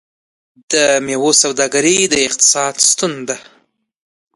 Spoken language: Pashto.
د میوو سوداګري د اقتصاد ستون ده.